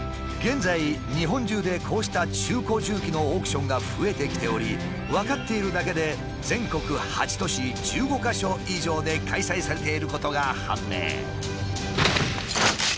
現在日本中でこうした中古重機のオークションが増えてきており分かっているだけで全国８都市１５か所以上で開催されていることが判明。